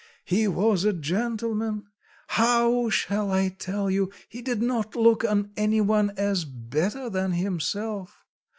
He was a gentleman how shall I tell you he didn't look on any one as better than himself.